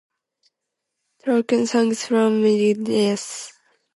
Tolkien's Songs from Middle-earth.